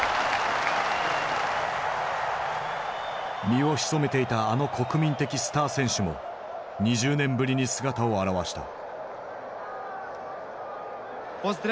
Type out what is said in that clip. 身を潜めていたあの国民的スター選手も２０年ぶりに姿を現した。